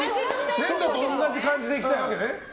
粘土と同じ感じでいきたいわけね。